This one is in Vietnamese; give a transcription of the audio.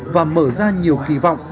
và mở ra nhiều kỳ vọng